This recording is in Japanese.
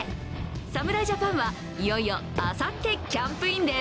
侍ジャパンはいよいよ、あさってキャンプインです。